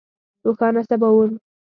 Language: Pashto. روښانه سباوون